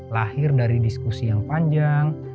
lahir dari diskusi yang panjang